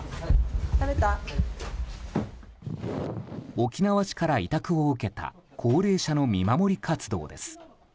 沖縄市から委託を受けた高齢者の見守り活動です。